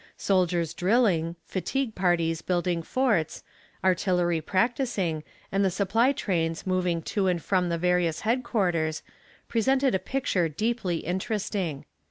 Soldiers drilling, fatigue parties building forts, artillery practicing, and the supply trains moving to and from the various headquarters, presented a picture deeply interesting.